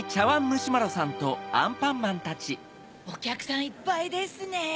おきゃくさんいっぱいですね。